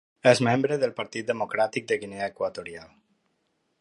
És membre del Partit Democràtic de Guinea Equatorial.